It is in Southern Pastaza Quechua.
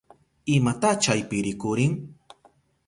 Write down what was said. ¿Imata chaypi rikurin?